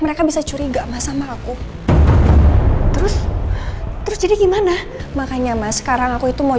mereka bisa curiga mas sama aku terus terus jadi gimana makanya mas sekarang aku itu mau